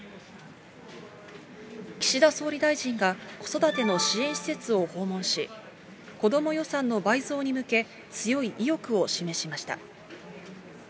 岸田総理大臣が子育ての支援施設を訪問し、子ども予算の倍増に向け、強い意欲を示しました。